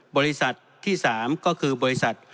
บริษัทที่๓ก็คือบริษัท